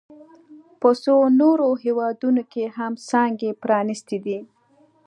په څو نورو هېوادونو کې هم څانګې پرانیستي دي